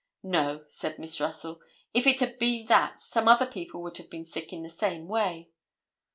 "No." said Miss Russell. "If it had been that some other people would have been sick in the same way."